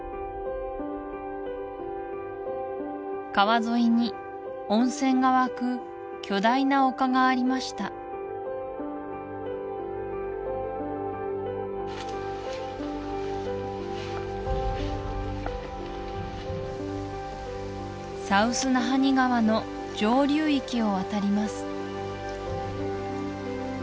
川沿いに温泉が湧く巨大な丘がありましたサウス・ナハニ川の上流域を渡ります